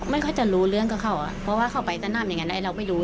ไม่ค่อยจะรู้เรื่องกับเขาเพราะว่าเขาไปตะนำอย่างนั้นอะไรเราไม่รู้